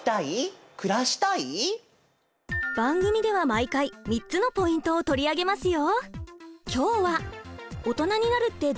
番組では毎回３つのポイントを取り上げますよ。